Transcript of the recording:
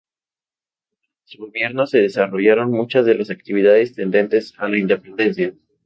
Durante su gobierno se desarrollaron muchas de las actividades tendentes a la independencia.